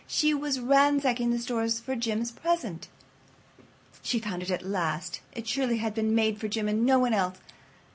She was ransacking the stores for Jim's present. She found it at last. It surely had been made for Jim and no one else.